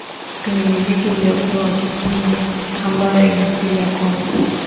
Kwenye miziki waliyokuwa wakipiga ambayo ina asili ya Congo